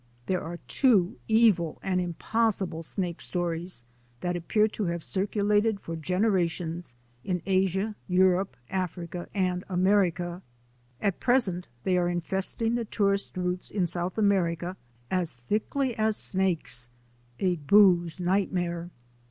There are two evil and impossible snake stories that appear to have circulated for generations in Asia, Europe, Africa, and America. At present they are infesting the tourist routes in South America as thickly as snakes a booze nightmare.